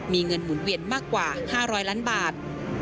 มีเงินหมุนเวียนมากกว่า๕๐๐ล้านบาท